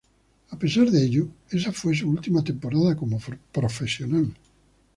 A pesar de ello, esa fue su última temporada como profesional.